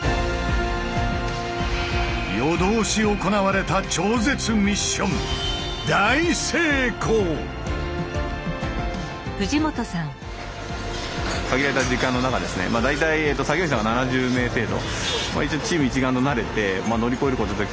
夜通し行われた超絶ミッション限られた時間の中ですね大体作業員さんが７０名程度。